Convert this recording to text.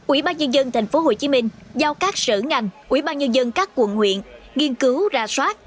ủy ban nhân dân tp hcm giao các sở ngành ủy ban nhân dân các quận huyện nghiên cứu ra soát